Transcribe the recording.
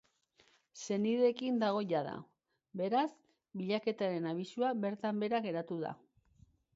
Senideekin dago jada, beraz, bilaketaren abisua bertan behera geratu da.